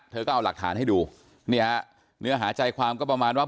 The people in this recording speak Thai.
เธอก็เอาหลักฐานให้ดูเนี่ยเนื้อหาใจความก็ประมาณว่า